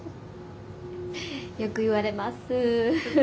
よく言われます。